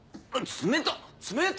冷た！